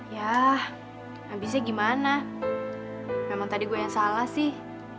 ya abisnya gimana memang tadi gue yang salah sih